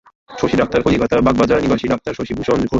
Shashi doctor Calcutta বাগবাজার-নিবাসী doctor Shashibhushan Ghosh.